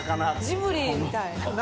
ジブリみたい。